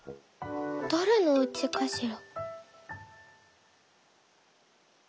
だれのおうちかしら？」。